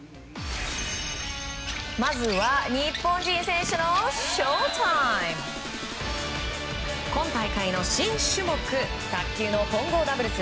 まずは、日本人選手のショータイム今大会の新種目卓球の混合ダブルス。